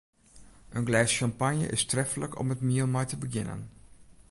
In glês sjampanje is treflik om it miel mei te begjinnen.